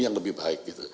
yang lebih baik